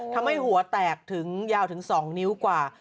ทำให้หัวแตกถึงยาวถึง๒นิ้วกว่า